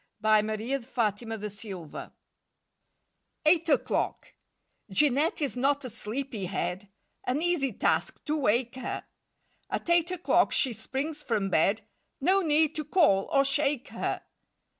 1 A PARIS PAIR A PARIS PAIR EIGHT O'CLOCK J EANETTE is not a sleepy head; An easy task, to wake her! At eight o'clock she springs from bed No need to call or shake her.